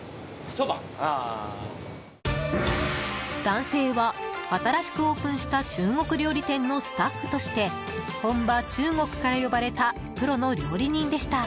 男性は新しくオープンした中国料理店のスタッフとして本場・中国から呼ばれたプロの料理人でした。